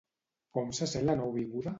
Com se sent la nouvinguda?